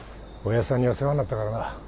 親父さんには世話になったからな。